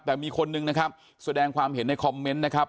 แต่มีคนนึงนะครับแสดงความเห็นในคอมเมนต์นะครับ